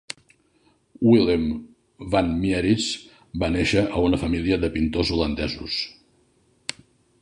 Willem van Mieris va néixer a una família de pintors holandesos.